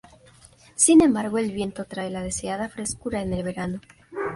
Sin embargo, el viento trae la deseada frescura en el verano.